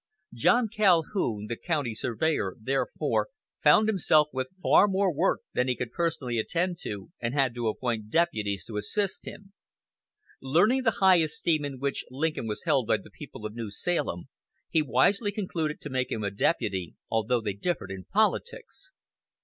John Calhoun, the county surveyor, therefore, found himself with far more work than he could personally attend to, and had to appoint deputies to assist him. Learning the high esteem in which Lincoln was held by the people of New Salem, he wisely concluded to make him a deputy, although they differed in politics.